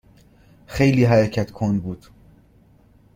خیلی حرکت کند بود.